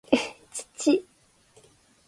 土